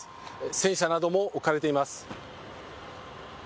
戦車なども置かれています。